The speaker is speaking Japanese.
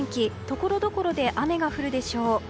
ところどころで雨が降るでしょう。